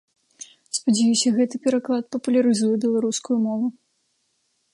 Спадзяюся, гэты пераклад папулярызуе беларускую мову.